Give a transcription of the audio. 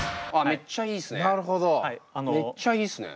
めっちゃいいっすね。